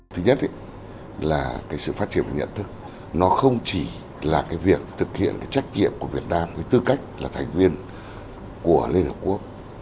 thứ nhất là sự phát triển của nhận thức nó không chỉ là việc thực hiện trách nhiệm của việt nam với tư cách là thành viên của liên hợp quốc